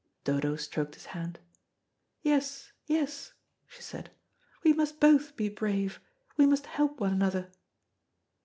Dodo stroked his hand. "Yes, yes," she said, "we must both be brave, we must help one another."